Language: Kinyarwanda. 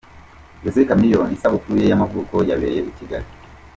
Jose Chameleone isabukuru ye y'amavuko yabereye i Kigali.